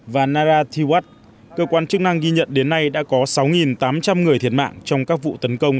và narathiwatt cơ quan chức năng ghi nhận đến nay đã có sáu tám trăm linh người thiệt mạng trong các vụ tấn công